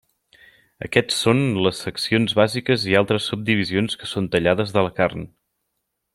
Aquests són les seccions bàsiques i altres subdivisions que són tallades de la carn.